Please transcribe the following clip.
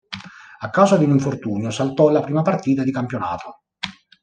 A causa di un infortunio saltò la prima partita di campionato.